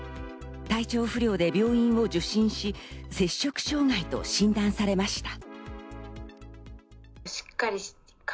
体調不良で病院を受診し、摂食障害と診断されました。